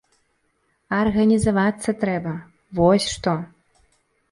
Арганізавацца трэба, вось што.